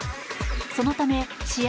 そのため試合